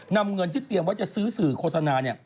นำเงินที่เตรียมไว้จะซื้อสื่อโฆษณา